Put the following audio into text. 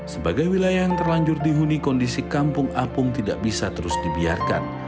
sebagai wilayah yang terlanjur dihuni kondisi kampung apung tidak bisa terus dibiarkan